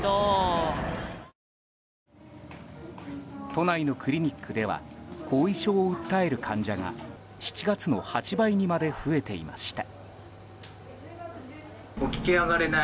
都内のクリニックでは後遺症を訴える患者が７月の８倍にまで増えていました。